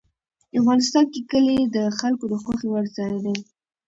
افغانستان کې کلي د خلکو د خوښې وړ ځای دی.